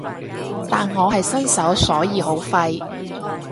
但我係新手所以好廢